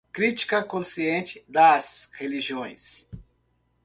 crítica consciente das religiões